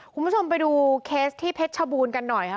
คุณผู้ชมไปดูเคสที่เพชรชบูรณ์กันหน่อยค่ะ